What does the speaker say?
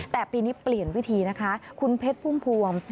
แต่ปีนี้เปลี่ยนวิธีนะคะคุณเพชรพุ่มพวง